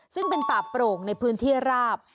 ซึ่งเป็นป่าโปร่งในพื้นที่ราบ